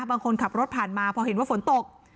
บางคนขับรถผ่านมาพอเห็นว่าฝนตก